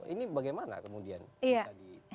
ini bagaimana kemudian bisa di